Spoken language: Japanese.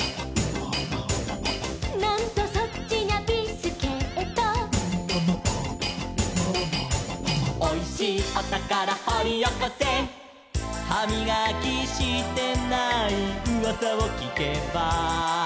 「なんとそっちにゃビスケット」「おいしいおたからほりおこせ」「はみがきしてないうわさをきけば」